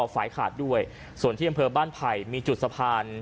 ฝ่ายขาดด้วยส่วนที่อำเภอบ้านไผ่มีจุดสะพาน